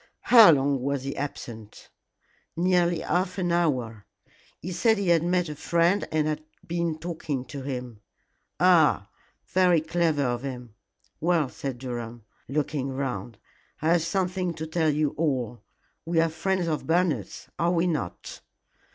"How long was he absent?" "Nearly half an hour. He said he had met a friend and had been talking to him." "Ah! Very clever of him. Well," said Durham, looking round, "I have something to tell you all. We are friends of Bernard's, are we not?"